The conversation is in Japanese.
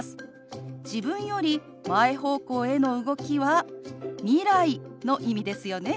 自分より前方向への動きは未来の意味ですよね。